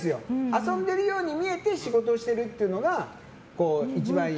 遊んでいるように見えて仕事をしてるというのが一番いい。